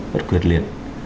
bất quyệt liệt